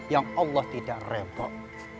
yang allah tidak rebak